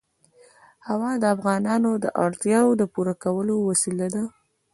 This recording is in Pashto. هوا د افغانانو د اړتیاوو د پوره کولو وسیله ده.